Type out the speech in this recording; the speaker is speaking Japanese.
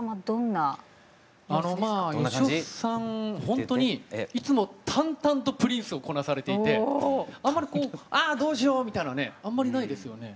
ほんとにいつも淡々とプリンスをこなされていてあんまりこう「あどうしよう！」みたいのはねあんまりないですよね。